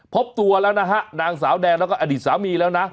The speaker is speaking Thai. พบตัวแล้วนะฮะนางสาวแดงแล้วก็อดีตสามีแล้วนะ